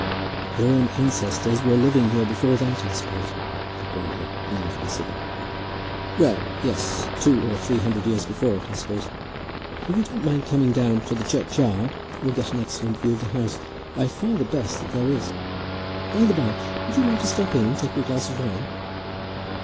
"Your own ancestors were living here before that, I suppose?" said Grantly, meaning to be civil. "Well, yes; two or three hundred years before it, I suppose. If you don't mind coming down to the churchyard, you'll get an excellent view of the house; by far the best that there is. By the by, would you like to step in and take a glass of wine?"